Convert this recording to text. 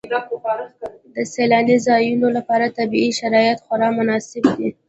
د سیلاني ځایونو لپاره طبیعي شرایط خورا مناسب دي.